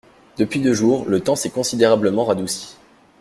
Depuis deux jours le temps s’est considérablement radouci.